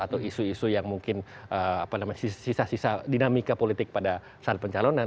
atau isu isu yang mungkin sisa sisa dinamika politik pada saat pencalonan